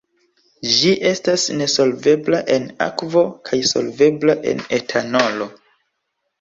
Ĝi estas nesolvebla en akvo kaj solvebla en etanolo.